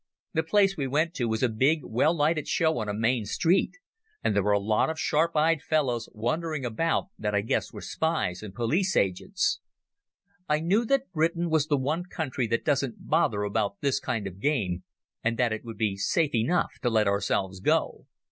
The place we went to was a big, well lighted show on a main street, and there were a lot of sharp eyed fellows wandering about that I guessed were spies and police agents. I knew that Britain was the one country that doesn't bother about this kind of game, and that it would be safe enough to let ourselves go.